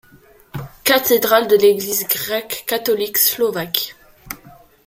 Cathédrales de l'Église grecque-catholique slovaque.